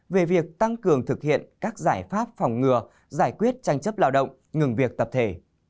về việc tăng cường thực hiện các giải pháp phòng ngừa giải quyết tranh chấp lao động ngừng việc tập thể